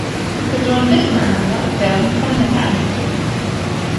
Die Personen wittern einander und werden voneinander angezogen.